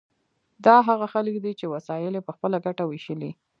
دا هغه خلک دي چې وسایل یې په خپله ګټه ویشلي.